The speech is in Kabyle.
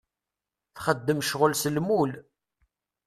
Txeddem ccɣel s lmul.